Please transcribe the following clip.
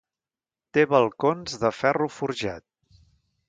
Té balcons de ferro forjat.